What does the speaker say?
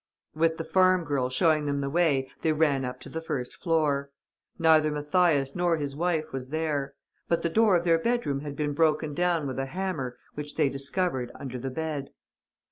With the farm girl showing them the way, they ran up to the first floor. Neither Mathias nor his wife was there. But the door of their bedroom had been broken down with a hammer which they discovered under the bed.